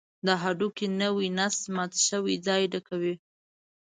د هډوکي نوی نسج مات شوی ځای ډکوي.